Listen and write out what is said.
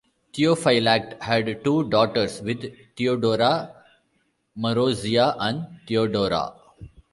Theophylact had two daughters with Theodora: Marozia and Theodora.